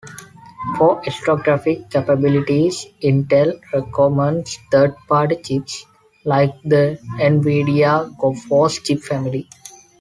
For extra graphics capabilities, Intel recommends third-party chips like the Nvidia GoForce chip family.